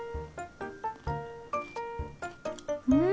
うん！